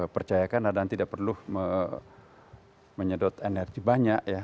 percayakan dan tidak perlu menyedot energi banyak ya